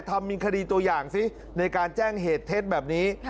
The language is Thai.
ทำมีคดีตัวอย่างซิในการแจ้งเหตุเท็จแบบนี้